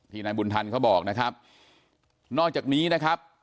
นายบุญทันเขาบอกนะครับนอกจากนี้นะครับ